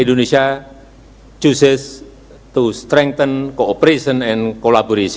indonesia memilih untuk meningkatkan kooperasi dan kolaborasi